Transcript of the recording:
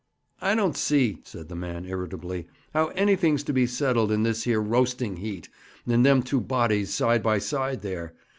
'I don't see,' said the man irritably, 'how anything's to be settled in this here roasting heat, and them two bodies side by side there.